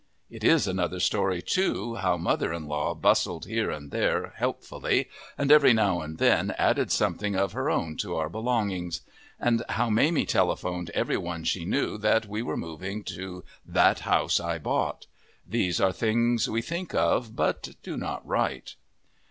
It is another story, too, how mother in law bustled here and there helpfully and every now and then added something of her own to our belongings, and how Mamie telephoned every one she knew that we were moving to That House I Bought! These are things we think of, but do not write.